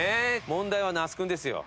問題は那須君ですよ。